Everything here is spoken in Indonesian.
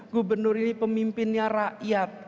gubernur ini pemimpinnya rakyat